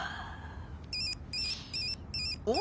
おっ。